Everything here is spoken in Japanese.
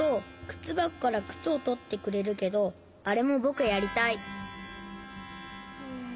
くつばこからくつをとってくれるけどあれもぼくやりたい。